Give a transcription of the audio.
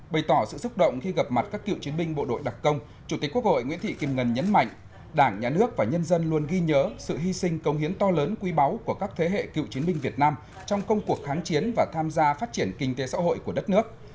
bày tỏ sự xúc động khi gặp mặt các cựu chiến binh bộ đội đặc công chủ tịch quốc hội nguyễn thị kim ngân nhấn mạnh đảng nhà nước và nhân dân luôn ghi nhớ sự hy sinh công hiến to lớn quý báu của các thế hệ cựu chiến binh việt nam trong công cuộc kháng chiến và tham gia phát triển kinh tế xã hội của đất nước